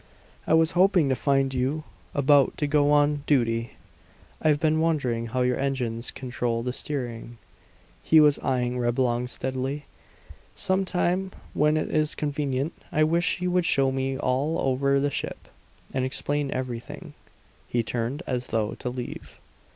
"I was hoping to find you about to go on duty. I've been wondering how your engines control the steering." He was eying Reblong steadily. "Some time when it is convenient I wish you would show me all over the ship, and explain everything." He turned as though to leave.